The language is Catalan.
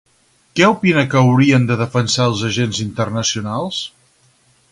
Què opina que haurien de defensar els agents internacionals?